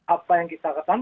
apa yang kita ketahui